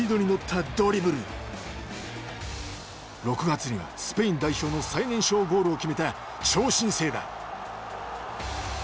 ６月にはスペイン代表の最年少ゴールを決めた超新星だ。